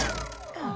ああ。